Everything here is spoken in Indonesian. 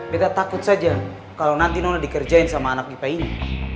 bete takut saja kalau nanti nona dikerjain sama anak ipa ini